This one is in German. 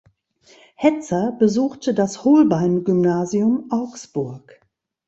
Hetzer besuchte das Holbein-Gymnasium Augsburg.